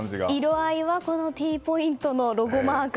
色合いはＴポイントのロゴマーク